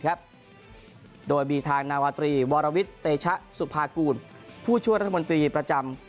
โดยมีทางนาวาตรีวรวิทย์เตชะสุภากูลผู้ช่วยรัฐมนตรีประจำ